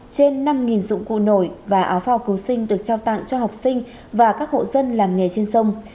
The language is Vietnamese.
trên năm dụng cụ nổi và áo phao cứu sinh được trao tặng cho học sinh và các hộ dân làm nghề trên sông